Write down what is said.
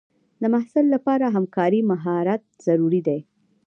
د محصل لپاره همکارۍ مهارت ضروري دی.